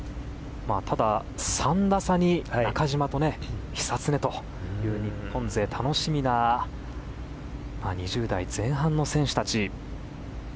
ただ３打差に中島と久常という日本勢楽しみな２０代前半の選手たち。